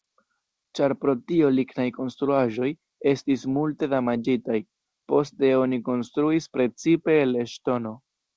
Ĉar pro tio lignaj konstruaĵoj estis multe damaĝitaj, poste oni konstruis precipe el ŝtono.